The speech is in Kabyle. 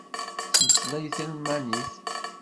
Tettmeslayeḍ talmanit.